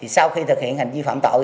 sau khi thực hiện hành vi phạm tội